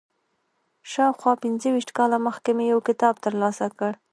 شاوخوا پنځه ویشت کاله مخکې مې یو کتاب تر لاسه کړ.